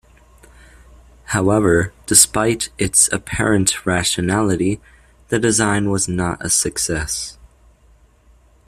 However, despite its apparent rationality, the design was not a success.